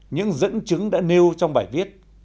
những dẫn chứng đã nêu trong bài viết